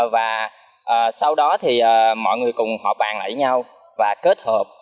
và sau đó thì mọi người cùng họ bàn lại với nhau và kết hợp